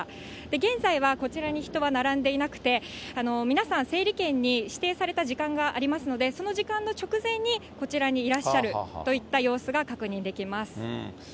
現在はこちらに人は並んでいなくて、皆さん、整理券に指定された時間がありますので、その時間の直前に、こちらにいらっしゃるといった様子が確認できます。